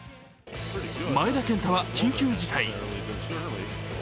前田健太は緊急事態。